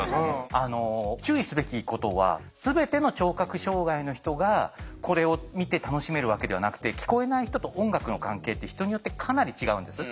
注意すべきことは全ての聴覚障害の人がこれを見て楽しめるわけではなくて聞こえない人と音楽の関係って人によってかなり違うんです。